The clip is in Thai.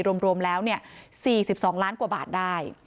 รวมแล้ว๔๒ล้านกว่าบาทได้